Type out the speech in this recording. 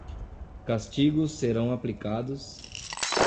Castigos serão aplicados